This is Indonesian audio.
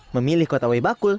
memilih kota wai bakul